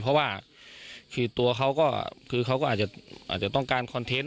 เพราะว่าคือตัวเขาก็คือเขาก็อาจจะต้องการคอนเทนต์